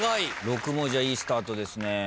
６文字はいいスタートですね。